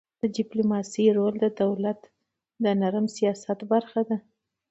د ډيپلوماسی رول د دولت د نرم سیاست برخه ده.